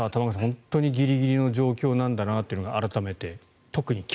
本当にギリギリの状況なんだなというのが改めて。